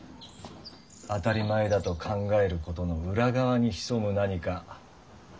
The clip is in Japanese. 当たり前だと考えることの裏側に潜む何か。